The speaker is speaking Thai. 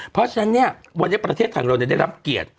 เพราะฉะนั้นเนี่ยวันนี้ประเทศไทยของเราได้รับเกียรติ